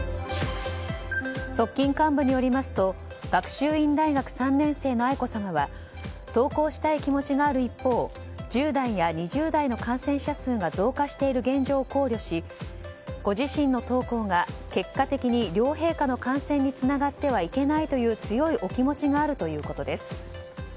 側近幹部によりますと学習院大学３年生の愛子さまは登校したい気持ちがある一方１０代や２０代の感染者数が増加している現状を考慮しご自身の登校が、結果的に両陛下の感染につながってはいけないという強いお気持ちがあるということです。